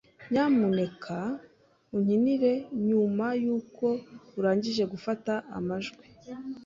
Nyamuneka unkinire nyuma yuko urangije gufata amajwi.